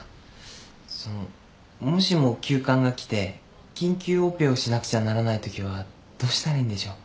そのもしも急患が来て緊急オペをしなくちゃならないときはどうしたらいいんでしょう？